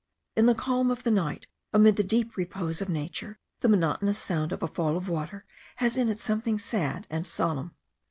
In the calm of the night, amid the deep repose of nature, the monotonous sound of a fall of water has in it something sad and solemn.